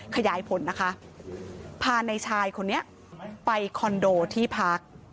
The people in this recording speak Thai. ขยายผลนะคะพาในชายคนนี้ไปคอนโดที่พัก